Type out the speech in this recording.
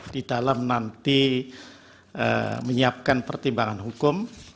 di dalam nanti menyiapkan pertimbangan hukum